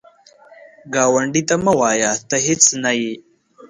ګاونډي ته مه وایه “ته هیڅ نه یې”